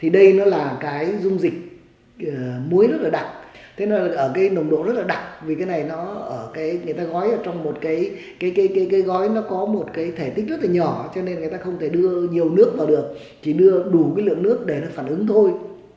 bạn cái dung dịch muối rất là đặc thế nên là ở cái nồng độ rất là đặc vì cái này nó ở cái người ta gói ở trong một cái cái gói nó có một cái thể tích rất là nhỏ cho nên người ta không thể đưa nhiều nước vào được chỉ đưa đủ cái lượng nước để nó phản ứng thôi